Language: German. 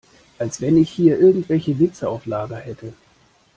Als wenn ich hier irgendwelche Witze auf Lager hätte!